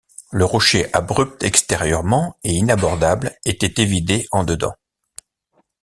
Le rocher, abrupt extérieurement, et inabordable, était évidé en dedans.